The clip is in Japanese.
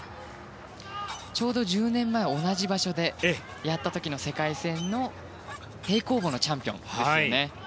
ちょうど１０年前同じ場所でやった時の世界戦の平行棒のチャンピオン。